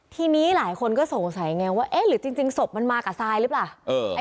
ทีนี้หลายคนก็สงสัยไงว่าเอ๊ะหรือจริงศพมันมากับทรายหรือเปล่า